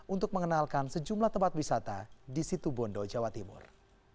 untuk mengenalkan sejumlah tempat wisata di situ bondo jawa timur